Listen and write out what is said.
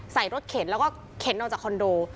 ใส่รถเข็นแล้วก็เข็นออกจากคอนโด